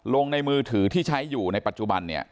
ลงในมือถือที่ใช้อยู่ในปัจจุบันเนี่ย